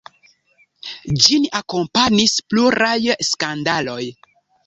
Ĝin akompanis pluraj skandaloj.